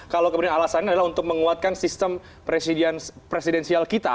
kalau kemudian alasannya adalah untuk menguatkan sistem presidensial kita